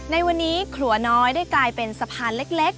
ในวันนี้ขลัวน้อยได้กลายเป็นสะพานเล็ก